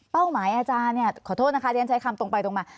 หมายอาจารย์เนี่ยขอโทษนะคะเรียนใช้คำตรงไปตรงมา